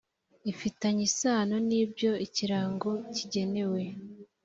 ifitanye isano n ibyo ikirango kigenewe